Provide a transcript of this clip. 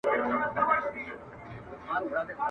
خو اسیر سي په پنجو کي د بازانو ..